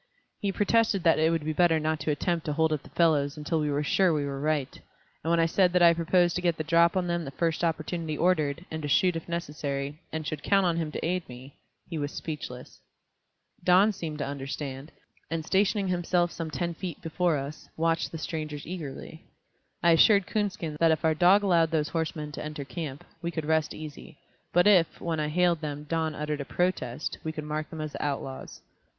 He protested that it would be better not to attempt to hold up the fellows until we were sure we were right, and when I said that I proposed to get the drop on them the first opportunity offered, and to shoot if necessary, and should count on him to aid me, he was speechless. Don seemed to understand, and stationing himself some ten feet before us, watched the strangers eagerly. I assured Coonskin that if our dog allowed those horsemen to enter camp, we could rest easy, but if, when I hailed them, Don uttered a protest, we could mark them as the outlaws.